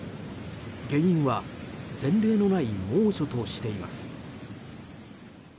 原因は前例のない猛暑としています。